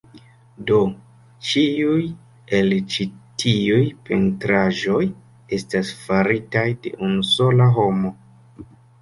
Do, ĉiuj el ĉi tiuj pentraĵoj estas faritaj de unu sola homo